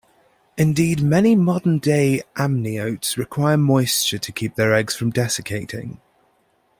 Indeed, many modern-day amniotes require moisture to keep their eggs from desiccating.